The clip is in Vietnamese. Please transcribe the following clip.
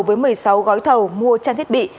với một mươi sáu gói thầu mua trang thiết bị